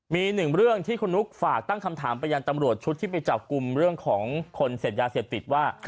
มีหนึ่งเรื่องที่คุณนุ๊กฝากตั้งคำถามไปยังตำรวจชุดที่ไปจับกลุ่มเรื่องของคนเสพยาเสพติดว่า